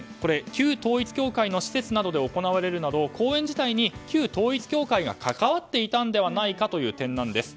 旧統一教会の施設などで行われるなど講演自体に旧統一教会が関わっていたのではないかという点です。